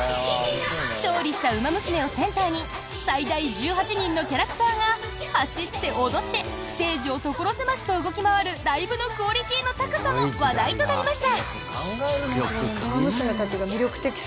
勝利したウマ娘をセンターに最大１８人のキャラクターが走って踊ってステージを所狭しと動き回るライブのクオリティーの高さも話題となりました。